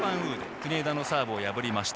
国枝のサーブを破りました。